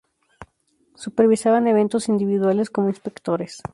Supervisaban eventos individuales como inspectores.